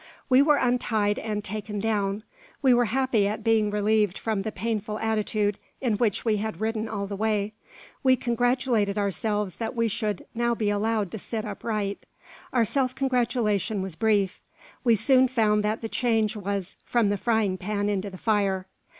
We were untied and taken down. We were happy at being relieved from the painful attitude in which we had ridden all the way. We congratulated ourselves that we should now be allowed to sit upright. Our self congratulation was brief. We soon found that the change was "from the frying pan into the fire."